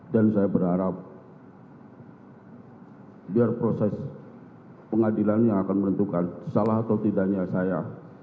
dan saya berharap biar proses pengadilan yang akan menentukan salah atau tidaknya saya